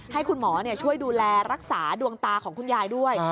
ให้คุณหมอช่วยดูแลรักษาดวงตาของคุณยายด้วย